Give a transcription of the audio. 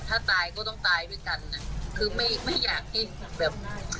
ถ้าตายก็ต้องตายด้วยกันนะคือไม่อยากให้แบบ